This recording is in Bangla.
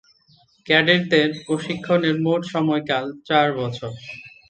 ক্যাডেটদের প্রশিক্ষণের মোট সময়কাল চার বছর।